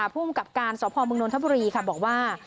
ผู้อุ้มกับการสมธบุรีบอกว่า